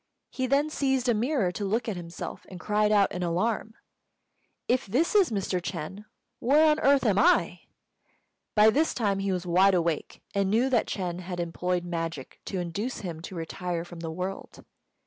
He then seized a mirror to look at himself, and cried out in alarm: "If this is Mr. Ch'êng, where on earth am I?" By this time he was wide awake, and knew that Ch'êng had employed magic to induce him to retire from the world.